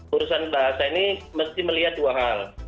urusan bahasa ini mesti melihat dua hal